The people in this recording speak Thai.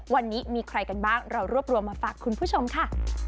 วันนี้มีใครกันบ้างเรารวบรวมมาฝากคุณผู้ชมค่ะ